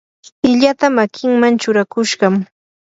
illata makiman churakushaqam.